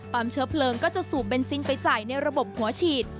เชื้อเพลิงก็จะสูบเบนซินไปจ่ายในระบบหัวฉีด